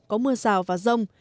có mưa rào và rông